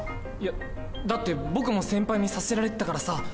いやだって僕も先輩にさせられてたからさ。